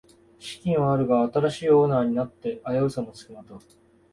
資金はあるが新しいオーナーになって危うさもつきまとう